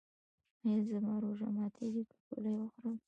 ایا زما روژه ماتیږي که ګولۍ وخورم؟